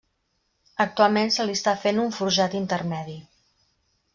Actualment se li està fent un forjat intermedi.